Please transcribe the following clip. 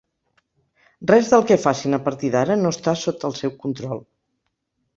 Res del que facin a partir d'ara no està sota el seu control.